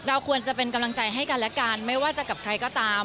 ควรจะเป็นกำลังใจให้กันและกันไม่ว่าจะกับใครก็ตาม